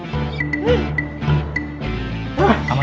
kamu ada flank